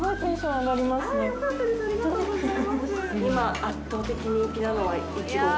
今。